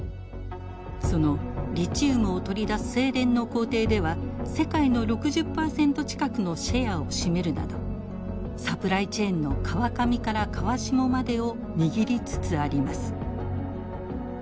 そのリチウムを取り出す精錬の工程では世界の６０％近くのシェアを占めるなどサプライチェーンの川上から川下までを握りつつあります。